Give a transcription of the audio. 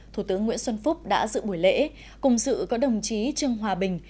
thủ tướng nguyễn xuân phúc đã dự buổi lễ cùng dự có đồng chí trương hòa bình